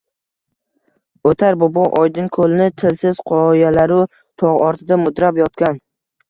Oʼtar bobo Oydinkoʼlni, tilsiz qoyalaru togʼ ortida mudrab yotgan